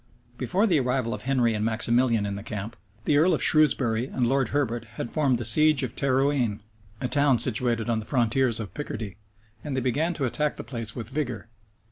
Before the arrival of Henry and Maximilian in the camp, the earl of Shrewsbury and Lord Herbert had formed the siege of Terouane, a town situated on the frontiers of Picardy; and they began to attack the place with vigor.